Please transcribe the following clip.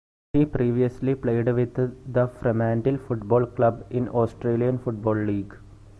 He previously played with the Fremantle Football Club in the Australian Football League.